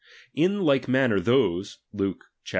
In like manner those (Luke xxiv.